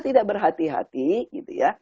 tidak berhati hati gitu ya